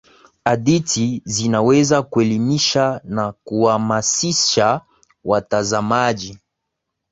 hadithi zinaweza kuelimisha na kuhamasisha watazamaji